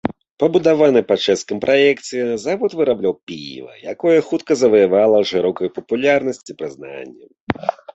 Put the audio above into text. Пабудаваны па чэшскім праекце, завод вырабляў піва, якое хутка заваявала шырокую папулярнасць і прызнанне.